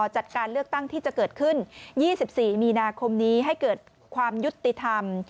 จัดการเลือกตั้งที่จะเกิดขึ้น๒๔มีนาคมนี้ให้เกิดความยุติธรรม